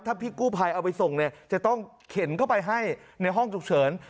ถ้าพี่กู้ภัยเอาไปส่งเนี่ยจะต้องเข็นเข้าไปให้ในห้องฉุกเฉิน